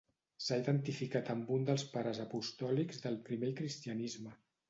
S'ha identificat amb un dels pares apostòlics del primer cristianisme.